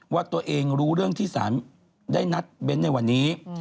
ว่าตัวเองรู้เรื่องที่สารได้นัดเบ้นในวันนี้